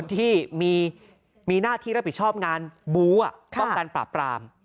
ที่มีหน้าที่รับผิดชอบงานบู้ป้องกันปราบปราม